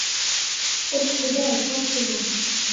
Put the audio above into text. ওহ খোদা, সব সময়।